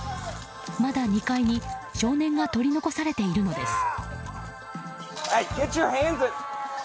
まだ２階に少年が取り残されているのです。